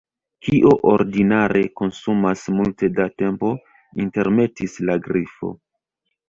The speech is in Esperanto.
"Kio ordinare konsumas multe da tempo," intermetis la Grifo.